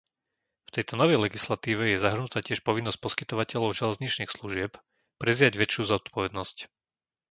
V tejto novej legislatíve je zahrnutá tiež povinnosť poskytovateľov železničných služieb prevziať väčšiu zodpovednosť.